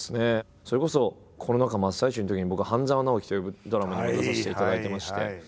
それこそコロナ禍真っ最中のときに僕「半沢直樹」というドラマにも出させていただいてまして。